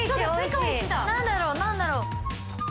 何だろう何だろう？